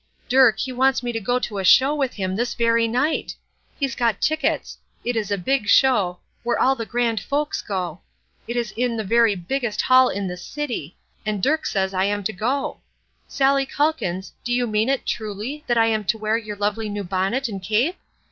Dirk he wants me to go to a show with him this very night! He's got tickets. It is a big show, where all the grand folks go. It is in the very biggest hall in this city, and Dirk he says I am to go. Sallie Calkins, do you mean it, truly, that I am to wear your lovely new bonnet and cape?